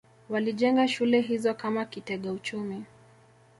Walijenga shule hizo kama kitega uchumi